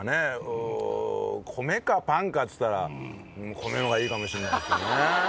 うん米かパンかっつったら米の方がいいかもしんないですね。